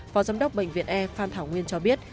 phó giám đốc bệnh viện e phan thảo nguyên cho biết